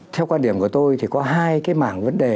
theo quan điểm của tôi thì có hai cái mảng vấn đề